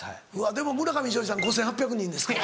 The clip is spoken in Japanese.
でも村上ショージさん５８００人ですから。